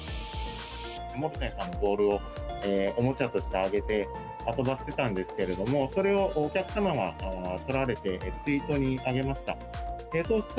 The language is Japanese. モルテンさんのボールをおもちゃとしてあげて遊ばせてたんですけれども、それをお客様が撮られて、ツイートに上げました。